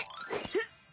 フッ！